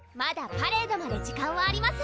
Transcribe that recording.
パレードまで時間はあります